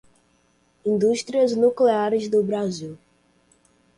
Indústrias Nucleares do Brasil